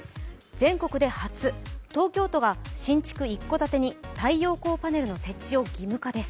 全国で初、東京都が新築一戸建てに太陽光パネルの設置を義務化です。